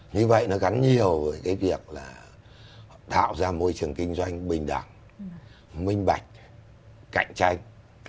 như vậy nó gắn nhiều với cái việc là tạo ra môi trường kinh doanh bình đẳng minh bạch cạnh tranh